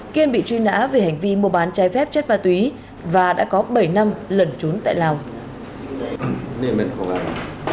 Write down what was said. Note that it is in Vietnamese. kiên bị truy nã về hành vi mô bán trái phép chất ma túy và đã có bảy năm lần trốn tại lòng